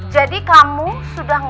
jadi kamu sudah ngerti